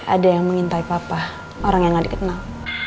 ada yang mengintai papa orang yang gak dikenal